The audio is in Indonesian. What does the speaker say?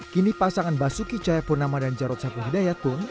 kini pasangan basuki cahaya purnama dan jarod sabu hidayat pun